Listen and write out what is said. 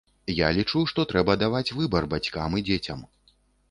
Я лічу, што трэба даваць выбар бацькам і дзецям.